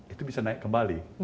itu bisa naik kembali